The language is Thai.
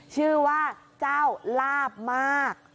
ชื่อว่าเจ้าลาบมาก